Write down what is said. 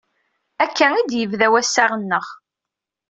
Akka i d-yebda wassaɣ-nneɣ.